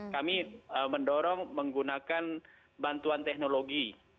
kami mendorong menggunakan bantuan teknologi